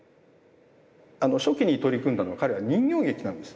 初期に取り組んだのは彼は人形劇なんです。